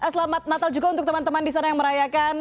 selamat natal juga untuk teman teman di sana yang merayakan